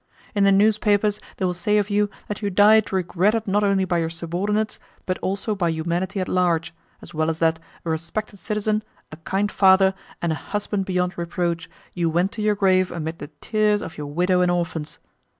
In the newspapers they will say of you that you died regretted not only by your subordinates, but also by humanity at large, as well as that, a respected citizen, a kind father, and a husband beyond reproach, you went to your grave amid the tears of your widow and orphans.